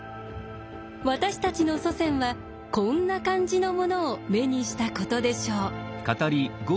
私たちの祖先はこんな感じのものを目にしたことでしょう。